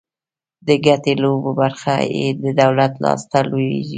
د ګټې لویه برخه یې د دولت لاس ته لویږي.